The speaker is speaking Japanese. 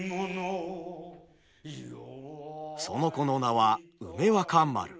その子の名は梅若丸。